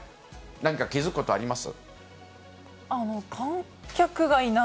なんか気付くことあります？